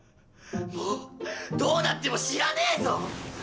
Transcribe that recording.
もうどうなっても知らねぇぞ！